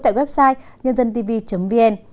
tại website nhândantv vn